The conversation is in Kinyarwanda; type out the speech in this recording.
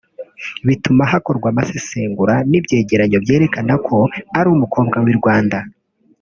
bituma hakorwa amasesengura n’ibyegeranyo byerekana ko ari umukobwa w’i Rwanda